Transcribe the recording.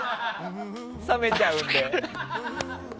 冷めちゃうので。